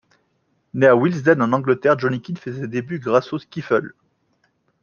Né à Willesden en Angleterre, Johnny Kidd fait ses débuts grâce au skiffle.